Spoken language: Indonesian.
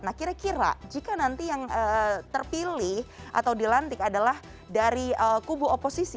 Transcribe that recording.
nah kira kira jika nanti yang terpilih atau dilantik adalah dari kubu oposisi